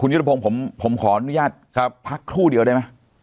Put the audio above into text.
ยุทธพงศ์ผมขออนุญาตพักครู่เดียวได้ไหม